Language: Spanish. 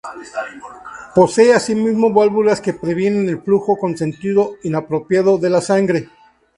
Posee asimismo válvulas que previenen el flujo con sentido inapropiado de la sangre.